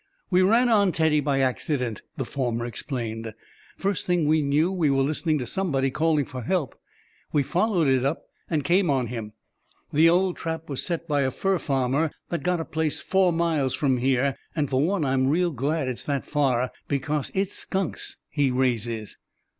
"We ran on Teddy by accident," the former explained. "First thing we knew we were listening to somebody calling for help. We followed it up, and came on him. The old trap was set by a fur farmer that's got a place four miles from here—and for one I'm real glad it is that far, because it's skunks he raises."